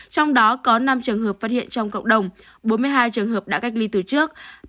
trong đó có năm trường hợp phát hiện trong cộng đồng bốn mươi hai trường hợp đã cách ly từ trước